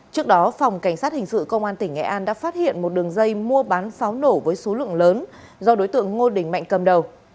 trước đó phòng cảnh sát hình sự công an tỉnh nghệ an đã phát hiện một đường dây mua bán pháo nổ với số lượng lớn do đối tượng ngô đình mạnh cầm đầu